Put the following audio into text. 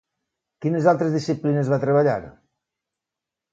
Quines altres disciplines va treballar?